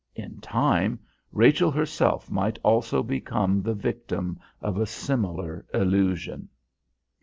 In time, Rachel herself might also become the victim of a similar illusion!